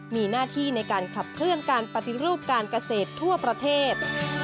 มีหน้าที่ในการขับเคลื่อนการปฏิรูปการเกษตรทั่วประเทศ